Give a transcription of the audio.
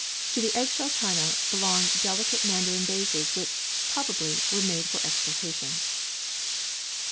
To the eggshell china belong the delicate Mandarin vases which, probably, were made for exportation.